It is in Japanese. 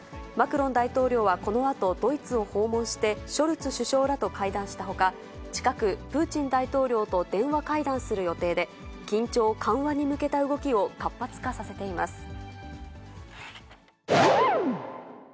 マクロン大統領はこのあとドイツを訪問してショルツ首相らと会談したほか、近く、プーチン大統領と電話会談する予定で、緊張緩和に向けた動きを活発化させています。